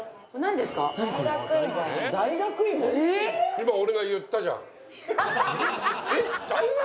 今俺が言ったじゃん。